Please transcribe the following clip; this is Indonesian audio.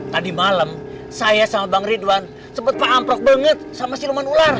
tadi malam saya sama bang ridwan sempat pak amprok banget sama siluman ular